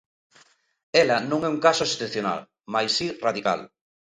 Ela non é un caso excepcional, mais si radical.